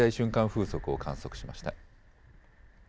風速を観測しました。